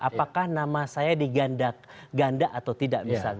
apakah nama saya diganda atau tidak misalnya